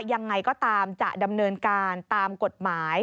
ยังไงก็ตามจะดำเนินการตามกฎหมาย